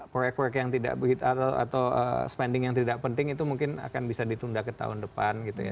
proyek proyek yang tidak begitu atau spending yang tidak penting itu mungkin akan bisa ditunda ke tahun depan gitu ya